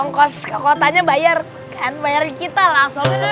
ongkos kekotanya bayar kan bayarin kita lah sobrinya